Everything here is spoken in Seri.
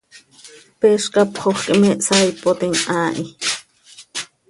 Peez cápxajö quih me hsaaipotim haa hi.